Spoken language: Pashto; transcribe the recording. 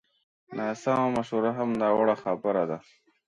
ناسمه مشوره هم ناوړه خبره ده